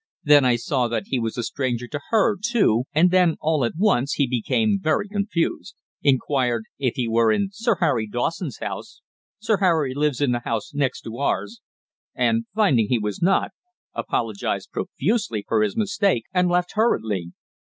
Then I saw that he was a stranger to her too, and then all at once he became very confused, inquired if he were in Sir Harry Dawson's house Sir Harry lives in the house next to ours and, findin' he was not, apologized profusely for his mistake, and left hurriedly."